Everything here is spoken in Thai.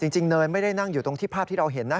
เนยไม่ได้นั่งอยู่ตรงที่ภาพที่เราเห็นนะ